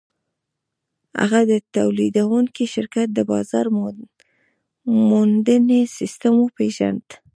هغه د تولیدوونکي شرکت د بازار موندنې سیسټم وپېژند